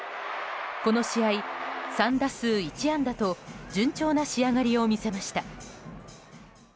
この試合、３打数１安打と順調な仕上がりを見せました。